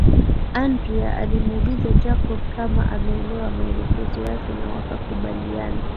Andrea alimuuliza Jacob kama ameelewa maelekezo yake na wakakubaliana